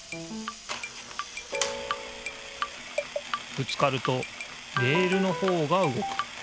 ぶつかるとレールのほうがうごく。